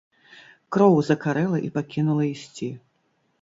Кроў закарэла і пакінула ісці.